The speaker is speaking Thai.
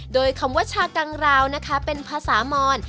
โดยคำว่าชากังราวนะคะเป็นภาษามอน